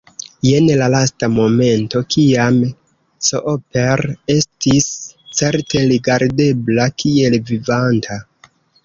Jen la lasta momento, kiam Cooper estis certe rigardebla kiel vivanta.